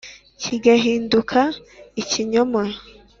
kigahinduka ikinyoma.